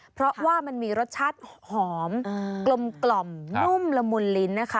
เพราะว่ามันมีรสชาติหอมกลมนุ่มละมุนลิ้นนะคะ